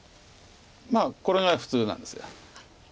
まあこれが普通なんです。